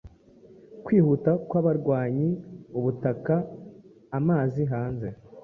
Kwihuta kwabarwanyi ubutaka-amazi hanze